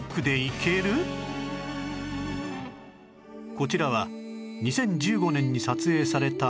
こちらは２０１５年に撮影されたダムの映像